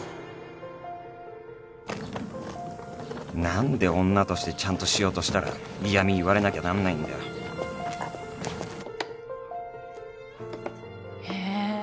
何で女としてちゃんとしようとしたら嫌み言われなきゃなんないんだよへぇ。